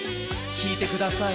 きいてください。